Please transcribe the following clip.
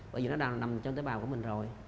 bởi vì nó đã nằm trong tế bào của mình rồi